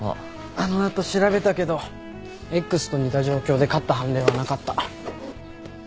あの後調べたけどＸと似た状況で勝った判例はなかった。